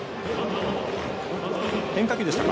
変化球でしたか。